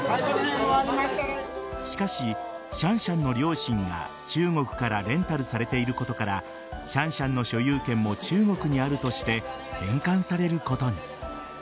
しかし、シャンシャンの両親が中国からレンタルされていることからシャンシャンの所有権も中国にあるとして返還されることに。